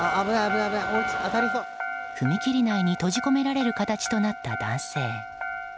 踏切内に閉じ込められる形となった男性。